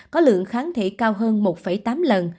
có lượng kháng thể cao hơn một tám lần